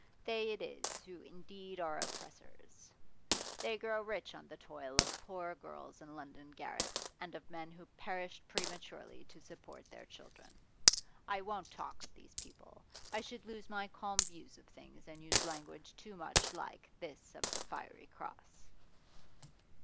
They it is who indeed are oppressors; they grow rich on the toil of poor girls in London garrets and of men who perish prematurely to support their children. I won't talk of these people; I should lose my calm views of things and use language too much like this of the "Fiery Cross."